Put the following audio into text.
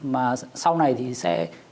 mà sau này thì sẽ